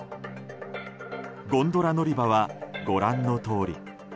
ゴンドラ乗り場はご覧のとおり。